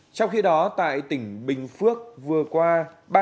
trong khi đó tại tỉnh bình phước vừa qua